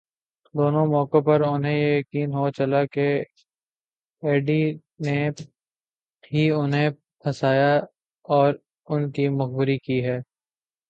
دونوں موقعوں پر انھیں یہ یقین ہو چلا کہ ایڈی نے ہی انھیں پھنسایا اور ان کی مخبری کی ہے۔